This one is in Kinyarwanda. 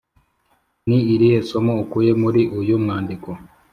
ni irihe somo ukuye muri uyu mwandiko?